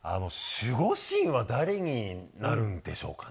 守護神は、誰になるんでしょうかね。